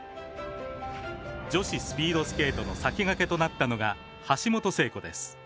女子スピードスケートの先駆けとなったのが橋本聖子です。